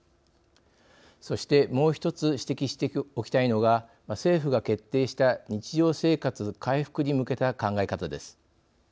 そして、もう１つ指摘しておきたいのが政府が決定した日常生活回復に向けた考え方です。